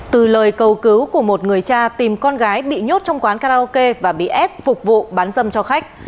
từ lời cầu cứu của một người cha tìm con gái bị nhốt trong quán karaoke và bị ép phục vụ bán dâm cho khách